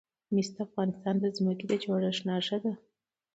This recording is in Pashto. مس د افغانستان د ځمکې د جوړښت نښه ده.